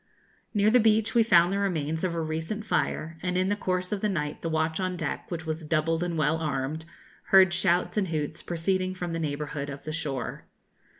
Near the beach we found the remains of a recent fire, and in the course of the night the watch on deck, which was doubled and well armed, heard shouts and hoots proceeding from the neighbourhood of the shore.